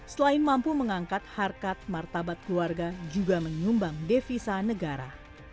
selain mampu mengangkat harkat martabat keluarga juga menyumbang devisa negara